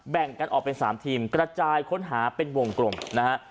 แบ่งกันออกเป็น๓ทีมกระจายค้นหาเป็นวงกลมนะฮะ